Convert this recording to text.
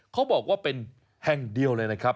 เขาบอกว่าเป็นแห่งเดียวเลยนะครับ